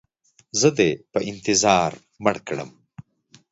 زه دې په انتظار مړ کړم.